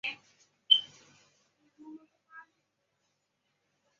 景兴五年四月十二日。